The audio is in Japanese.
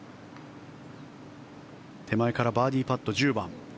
手前からバーディーパット１０番。